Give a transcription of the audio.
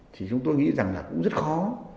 thì chúng tôi nghĩ rằng là cũng rất khó